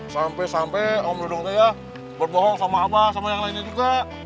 sampai sampai om dokter ya berbohong sama apa sama yang lainnya juga